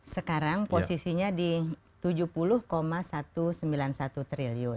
sekarang posisinya di rp tujuh puluh satu ratus sembilan puluh satu triliun